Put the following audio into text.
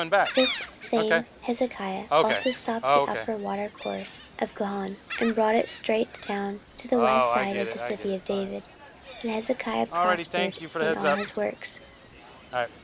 14:032:030 This same Hezekiah also stopped the upper watercourse of Gihon, and brought it straight down to the west side of the city of David. And Hezekiah prospered in all his works.